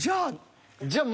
じゃあ。